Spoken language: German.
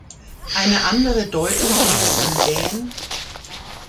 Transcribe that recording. Eine andere Deutung geht von dän.